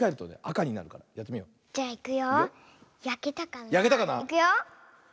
いくよ。